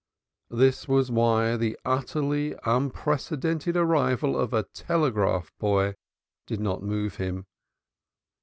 This was why the utterly unprecedented arrival of a telegraph boy did not move him.